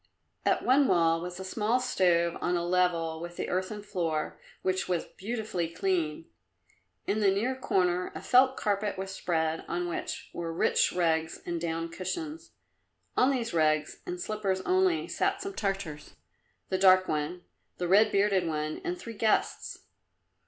At one wall was a small stove on a level with the earthen floor, which was beautifully clean. In the near corner a felt carpet was spread on which were rich rugs and down cushions. On these rugs, in slippers only, sat some Tartars the dark one, the red bearded one and three guests.